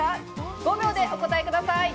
５秒でお答えください。